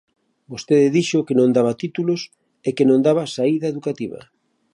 Vostede dixo que non daba títulos e que non daba saída educativa.